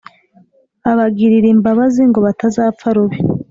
Abagirir’imbabazi ngo batazapfa rubi